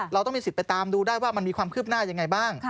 เราต้องมีสิทธิ์ไปตามดูได้ว่ามันมีความคืบหน้ายังไงบ้าง